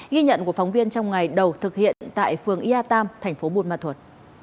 ghi nhận của phóng viên trong ngày đầu thực hiện tại phường ia tam thành phố bùn ma thuật